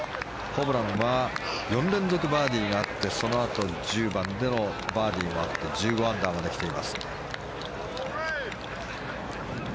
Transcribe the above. ホブランは４連続バーディーがあってそのあと１０番でのバーディーもあって１５アンダーまで来ています。